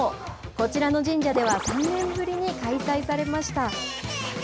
こちらの神社では、３年ぶりに開催されました。